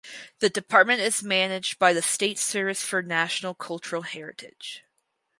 The department is managed by the State Service for National Cultural Heritage.